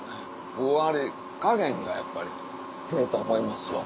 ふんわり加減がやっぱりええと思いますわ。